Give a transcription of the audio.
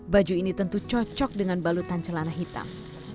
baju ini tentu cocok dengan balutan celana hitam